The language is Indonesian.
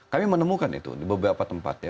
kami menemukan itu di beberapa tempat ya